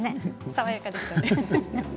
爽やかでしたね。